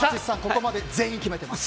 ここまで全員決めてます。